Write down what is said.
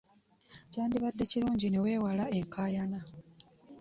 Kyandibadde kirungi ne wewala enkayana .